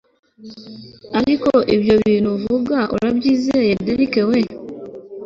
ariko ibyo bintu uvuga urabyizeye derrick we